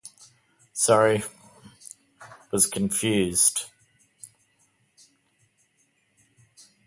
Like most early dinosaurs, "Unaysaurus" was relatively small, and walked on two legs.